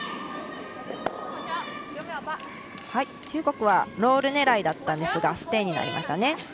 中国はロール狙いだったんですがステイになりましたね。